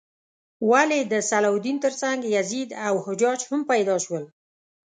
ولې د صلاح الدین تر څنګ یزید او حجاج هم پیدا شول؟